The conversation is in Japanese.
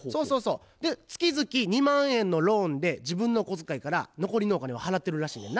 月々２万円のローンで自分の小遣いから残りのお金を払ってるらしいねんな。